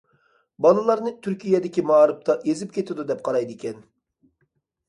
بالىلارنى تۈركىيەدىكى مائارىپتا ئېزىپ كېتىدۇ دەپ قارايدىكەن.